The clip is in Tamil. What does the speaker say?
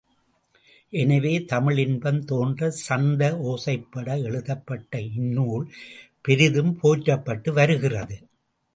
எனவே தமிழின்பம் தோன்றச் சந்த ஒசைபட எழுதப்பட்ட இந் நூல் பெரிதும் போற்றப்பட்டு வருகிறது.